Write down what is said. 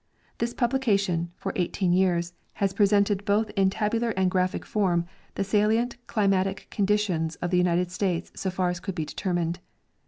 This publication, for eighteen years, has presented both in tab ular and graphic form the salient climatic conditions of the United States so far as could be determined.